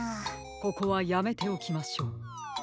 ここはやめておきましょう。